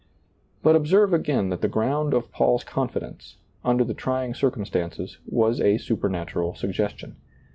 But observe again that the ground of Paul's confidence, under the trying drcumstances, was a supernatural suggestion.